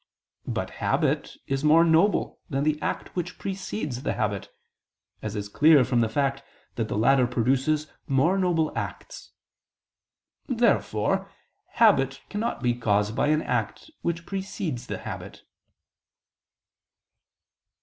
But habit is more noble than the act which precedes the habit; as is clear from the fact that the latter produces more noble acts. Therefore habit cannot be caused by an act which precedes the habit.